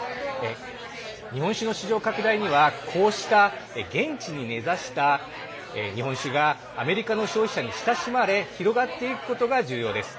日本酒の市場拡大には、こうした現地に根ざした日本酒がアメリカの消費者に親しまれ広がっていくことが重要です。